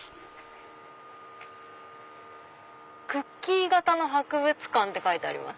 「クッキー型の博物館」って書いてあります。